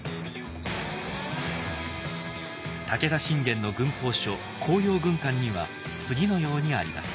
武田信玄の軍法書「甲陽軍鑑」には次のようにあります。